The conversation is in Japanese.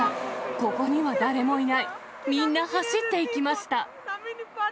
ここには誰もいない、みんな走っていきました。